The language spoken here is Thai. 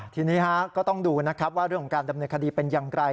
ทีนี้ก็ต้องดูนะครับว่าเรื่องของการดำเนินคดีเป็นอย่างไร